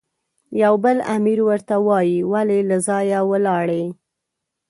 یو بل امیر ورته وایي، ولې له ځایه ولاړې؟